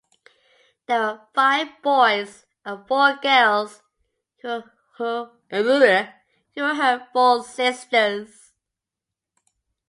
There were five boys and four girls who were her full sisters.